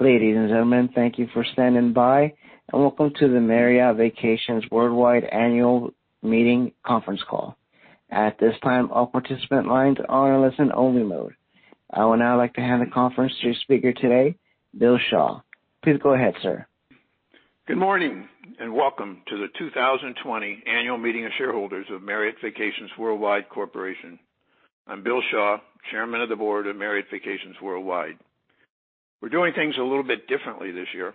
Ladies and gentlemen, thank you for standing by and welcome to the Marriott Vacations Worldwide annual meeting conference call. At this time, all participant lines are in listen only mode. I would now like to hand the conference to your speaker today, Bill Shaw. Please go ahead, sir. Good morning and welcome to the 2020 Annual Meeting of Shareholders of Marriott Vacations Worldwide Corporation. I'm Bill Shaw, Chairman of the Board of Marriott Vacations Worldwide. We're doing things a little bit differently this year.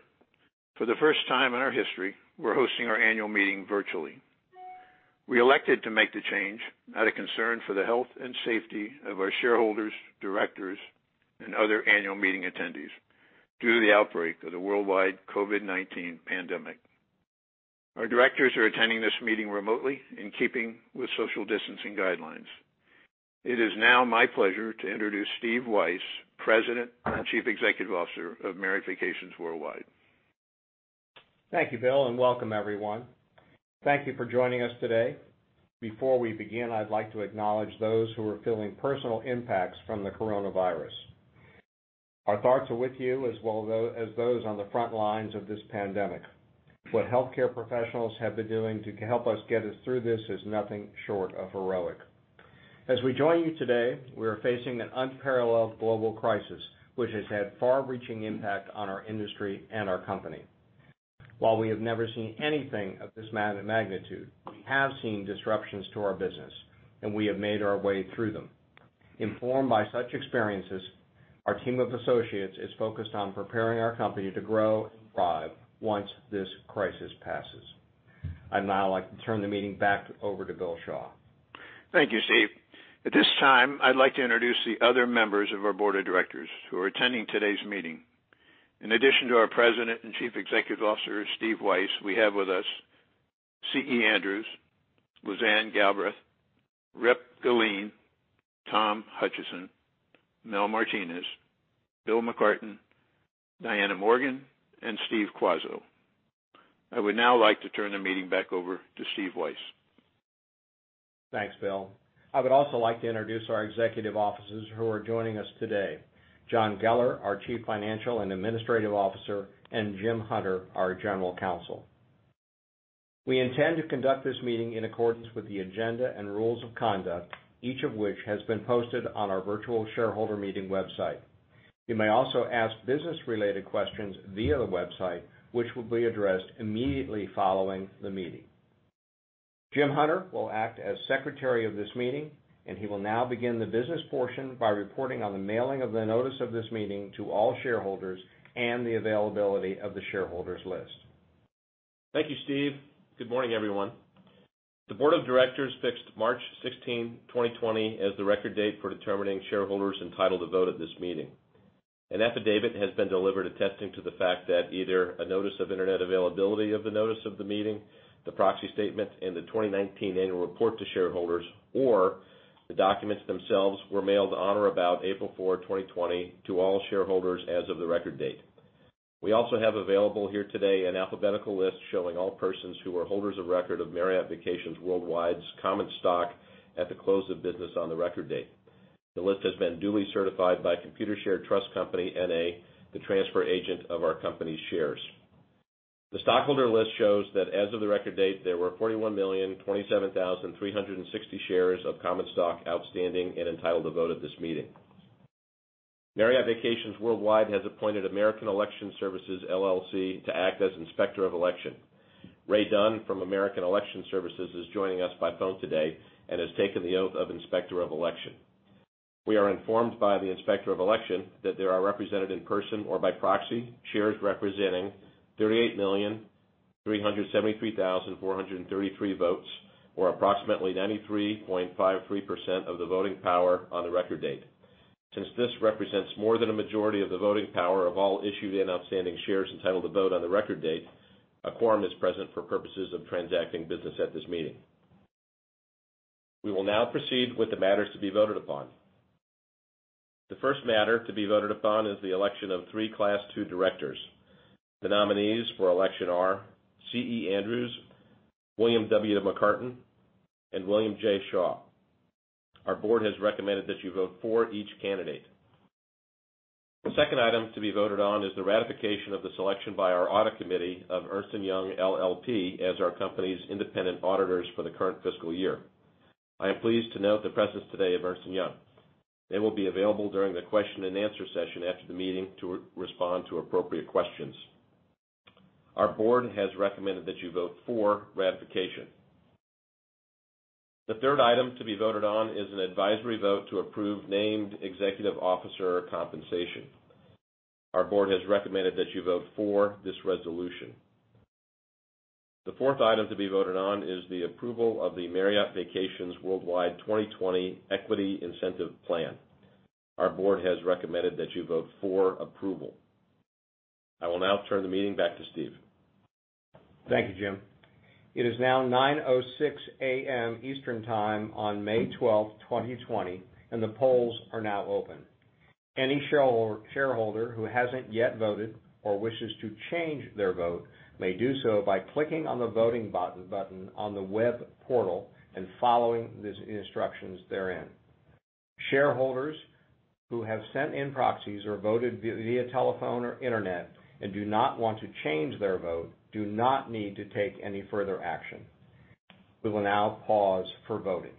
For the first time in our history, we're hosting our annual meeting virtually. We elected to make the change out of concern for the health and safety of our shareholders, directors, and other annual meeting attendees due to the outbreak of the worldwide COVID-19 pandemic. Our directors are attending this meeting remotely in keeping with social distancing guidelines. It is now my pleasure to introduce Steve Weisz, President and Chief Executive Officer of Marriott Vacations Worldwide. Thank you, Bill, and welcome everyone. Thank you for joining us today. Before we begin, I'd like to acknowledge those who are feeling personal impacts from the coronavirus. Our thoughts are with you as well as those on the front lines of this pandemic. What healthcare professionals have been doing to help us get us through this is nothing short of heroic. As we join you today, we are facing an unparalleled global crisis, which has had far-reaching impact on our industry and our company. While we have never seen anything of this magnitude, we have seen disruptions to our business, and we have made our way through them. Informed by such experiences, our team of associates is focused on preparing our company to grow and thrive once this crisis passes. I'd now like to turn the meeting back over to Bill Shaw. Thank you, Steve. At this time, I'd like to introduce the other members of our Board of Directors who are attending today's meeting. In addition to our President and Chief Executive Officer, Steve Weisz, we have with us C.E. Andrews, Lizanne Galbreath, Rip Gellein, Tom Hutchison, Mel Martinez, Bill McCarten, Dianna Morgan, and Steve Quazzo. I would now like to turn the meeting back over to Steve Weisz. Thanks, Bill. I would also like to introduce our executive officers who are joining us today. John Geller, our Chief Financial and Administrative Officer, and Jim Hunter, our General Counsel. We intend to conduct this meeting in accordance with the agenda and rules of conduct, each of which has been posted on our virtual shareholder meeting website. You may also ask business-related questions via the website, which will be addressed immediately following the meeting. Jim Hunter will act as Secretary of this meeting. He will now begin the business portion by reporting on the mailing of the notice of this meeting to all shareholders and the availability of the shareholders list. Thank you, Steve. Good morning, everyone. The board of directors fixed March 16, 2020, as the record date for determining shareholders entitled to vote at this meeting. An affidavit has been delivered attesting to the fact that either a notice of internet availability of the notice of the meeting, the proxy statement, and the 2019 annual report to shareholders or the documents themselves were mailed on or about April 4, 2020, to all shareholders as of the record date. We also have available here today an alphabetical list showing all persons who are holders of record of Marriott Vacations Worldwide's common stock at the close of business on the record date. The list has been duly certified by Computershare Trust Company, N.A., the transfer agent of our company's shares. The stockholder list shows that as of the record date, there were 41,027,360 shares of common stock outstanding and entitled to vote at this meeting. Marriott Vacations Worldwide has appointed American Election Services, LLC to act as Inspector of Election. Ray Dunn from American Election Services is joining us by phone today and has taken the oath of Inspector of Election. We are informed by the Inspector of Election that there are represented in person or by proxy shares representing 38,373,433 votes, or approximately 93.53% of the voting power on the record date. Since this represents more than a majority of the voting power of all issued and outstanding shares entitled to vote on the record date, a quorum is present for purposes of transacting business at this meeting. We will now proceed with the matters to be voted upon. The first matter to be voted upon is the election of three Class II directors. The nominees for election are C.E. Andrews, William W. McCarten, and William J. Shaw. Our board has recommended that you vote for each candidate. The second item to be voted on is the ratification of the selection by our Audit Committee of Ernst & Young LLP as our company's independent auditors for the current fiscal year. I am pleased to note the presence today of Ernst & Young. They will be available during the question and answer session after the meeting to respond to appropriate questions. Our board has recommended that you vote for ratification. The third item to be voted on is an advisory vote to approve named executive officer compensation. Our board has recommended that you vote for this resolution. The fourth item to be voted on is the approval of the Marriott Vacations Worldwide 2020 Equity Incentive Plan. Our board has recommended that you vote for approval. I will now turn the meeting back to Steve. Thank you, Jim. It is now 9:06 A.M. Eastern Time on May 12, 2020, and the polls are now open. Any shareholder who hasn't yet voted or wishes to change their vote may do so by clicking on the voting button on the web portal and following the instructions therein. Shareholders who have sent in proxies or voted via telephone or internet and do not want to change their vote do not need to take any further action. We will now pause for voting.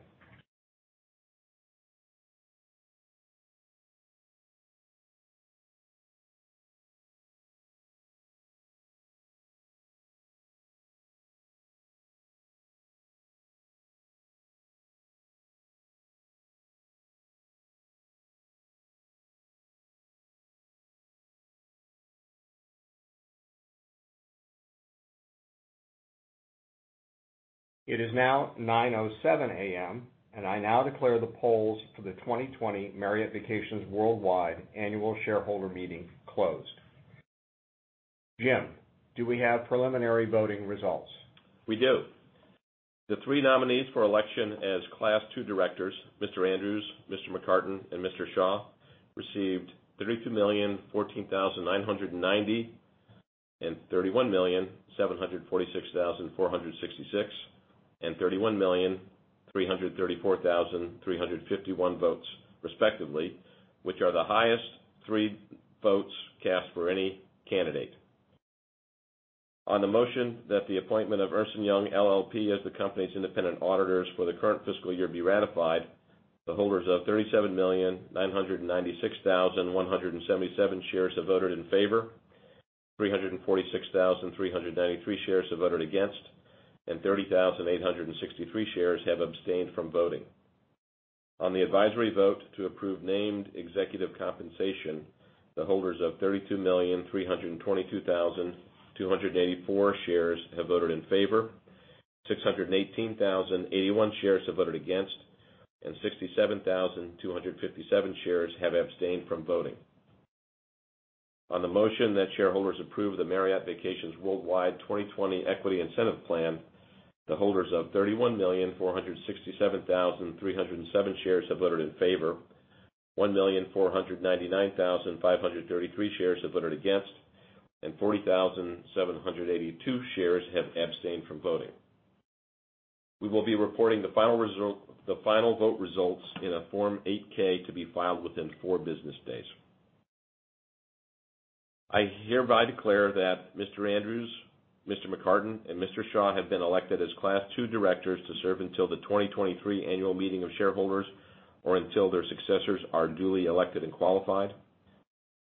It is now 9:07 A.M., and I now declare the polls for the 2020 Marriott Vacations Worldwide annual shareholder meeting closed. Jim, do we have preliminary voting results? We do. The three nominees for election as Class II directors, Mr. Andrews, Mr. McCarten, and Mr. Shaw, received 32,014,990 and 31,746,466 and 31,334,351 votes respectively, which are the highest three votes cast for any candidate. On the motion that the appointment of Ernst & Young LLP as the company's independent auditors for the current fiscal year be ratified, the holders of 37,996,177 shares have voted in favor, 346,393 shares have voted against, and 30,863 shares have abstained from voting. On the advisory vote to approve named executive compensation, the holders of 32,322,284 shares have voted in favor, 618,081 shares have voted against, and 67,257 shares have abstained from voting. On the motion that shareholders approve the Marriott Vacations Worldwide 2020 Equity Incentive Plan, the holders of 31,467,307 shares have voted in favor, 1,499,533 shares have voted against, and 40,782 shares have abstained from voting. We will be reporting the final vote results in a Form 8-K to be filed within four business days. I hereby declare that Mr. C.E. Andrews, Mr. McCarten, and Mr. Shaw have been elected as Class II directors to serve until the 2023 annual meeting of shareholders, or until their successors are duly elected and qualified.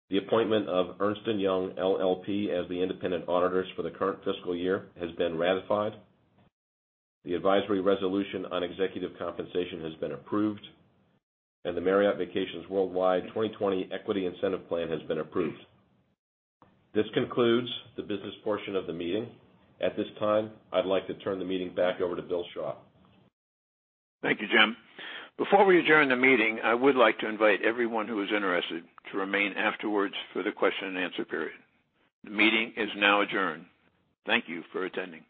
The appointment of Ernst & Young LLP as the independent auditors for the current fiscal year has been ratified. The advisory resolution on executive compensation has been approved, and the Marriott Vacations Worldwide 2020 Equity Incentive Plan has been approved. This concludes the business portion of the meeting. At this time, I'd like to turn the meeting back over to Bill Shaw. Thank you, Jim. Before we adjourn the meeting, I would like to invite everyone who is interested to remain afterwards for the question and answer period. The meeting is now adjourned. Thank you for attending.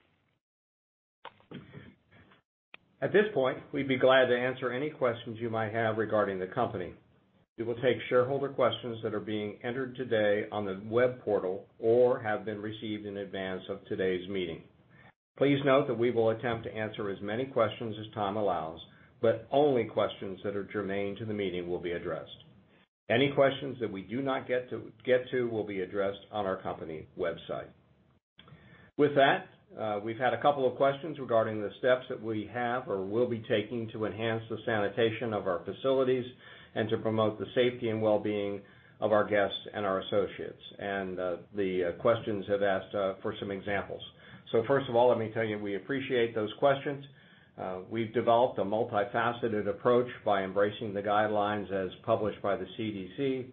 At this point, we'd be glad to answer any questions you might have regarding the company. We will take shareholder questions that are being entered today on the web portal or have been received in advance of today's meeting. Please note that we will attempt to answer as many questions as time allows, but only questions that are germane to the meeting will be addressed. Any questions that we do not get to will be addressed on our company website. With that, we've had a couple of questions regarding the steps that we have or will be taking to enhance the sanitation of our facilities and to promote the safety and wellbeing of our guests and our associates. The questions have asked for some examples. First of all, let me tell you, we appreciate those questions. We've developed a multifaceted approach by embracing the guidelines as published by the CDC,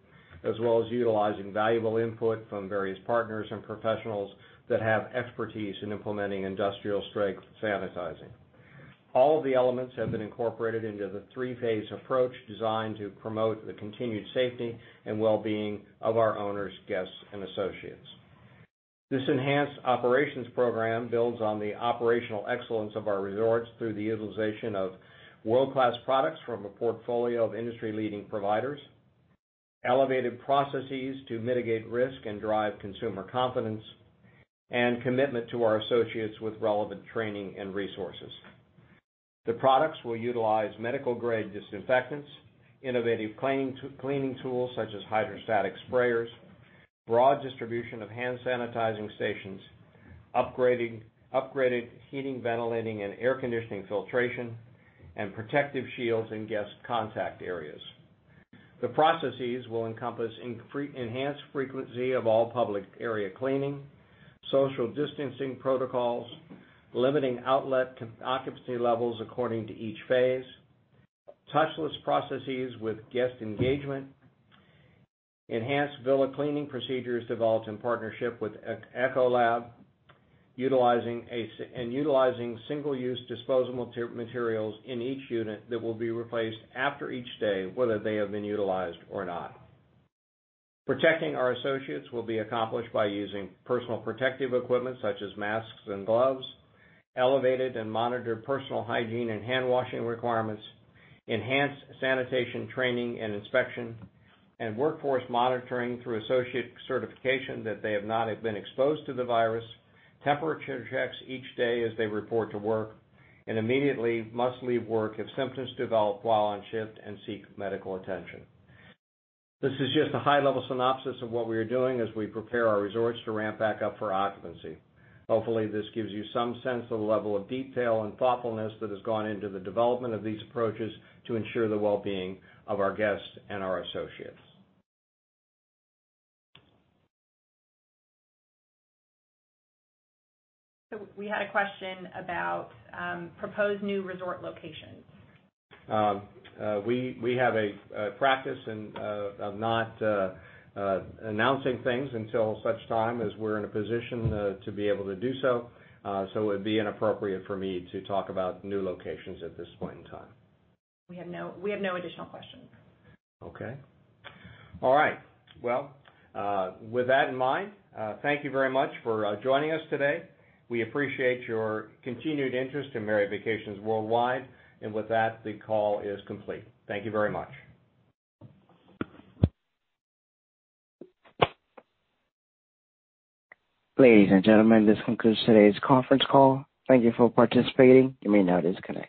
as well as utilizing valuable input from various partners and professionals that have expertise in implementing industrial-strength sanitizing. All of the elements have been incorporated into the three-phase approach designed to promote the continued safety and wellbeing of our owners, guests, and associates. This enhanced operations program builds on the operational excellence of our resorts through the utilization of world-class products from a portfolio of industry-leading providers, elevated processes to mitigate risk and drive consumer confidence, and commitment to our associates with relevant training and resources. The products will utilize medical-grade disinfectants, innovative cleaning tools such as electrostatic sprayers, broad distribution of hand sanitizing stations, upgraded heating, ventilating, and air conditioning filtration, and protective shields in guest contact areas. The processes will encompass enhanced frequency of all public area cleaning, social distancing protocols, limiting outlet occupancy levels according to each phase, touchless processes with guest engagement, enhanced villa cleaning procedures developed in partnership with Ecolab, and utilizing single-use disposable materials in each unit that will be replaced after each day, whether they have been utilized or not. Protecting our associates will be accomplished by using personal protective equipment such as masks and gloves, elevated and monitored personal hygiene and handwashing requirements, enhanced sanitation training and inspection, and workforce monitoring through associate certification that they have not been exposed to the virus, temperature checks each day as they report to work, and immediately must leave work if symptoms develop while on shift, and seek medical attention. This is just a high-level synopsis of what we are doing as we prepare our resorts to ramp back up for occupancy. Hopefully, this gives you some sense of the level of detail and thoughtfulness that has gone into the development of these approaches to ensure the wellbeing of our guests and our associates. We had a question about proposed new resort locations. We have a practice of not announcing things until such time as we're in a position to be able to do so. It would be inappropriate for me to talk about new locations at this point in time. We have no additional questions. Okay. All right. Well, with that in mind, thank you very much for joining us today. We appreciate your continued interest in Marriott Vacations Worldwide. With that, the call is complete. Thank you very much. Ladies and gentlemen, this concludes today's conference call. Thank you for participating. You may now disconnect.